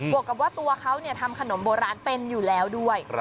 วกกับว่าตัวเขาทำขนมโบราณเป็นอยู่แล้วด้วย